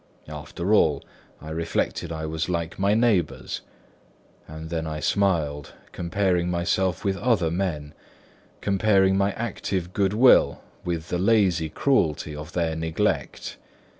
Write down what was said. After all, I reflected, I was like my neighbours; and then I smiled, comparing myself with other men, comparing my active good will with the lazy cruelty of their neglect.